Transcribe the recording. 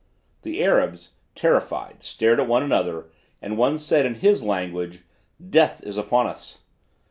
"The Arabs, terrified, stared at one another, and one said in his language: 'Death is upon us.'